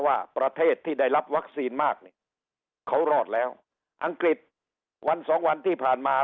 ว่าประเทศที่ได้รับวัคซีนมากเนี่ยเขารอดแล้วอังกฤษวันสองวันที่ผ่านมา